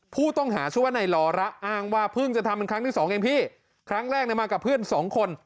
ผู้ต้องหาชั่วในน่ลระอ้างว่าพึ่งจะทำกันครั้งหนึ่งหรือกับพี่ครั้งแรกโดยมากับเพื่อนสองคน